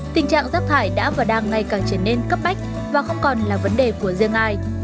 tình trạng rác thải đã và đang ngày càng trở nên cấp bách và không còn là vấn đề của riêng ai